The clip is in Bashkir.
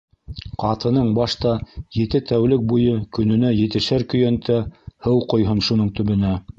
Ҡатының башта ете тәүлек буйы көнөнә етешәр көйәнтә һыу ҡойһон шуның төбөнә.